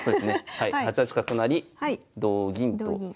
はい８八角成同銀と同銀。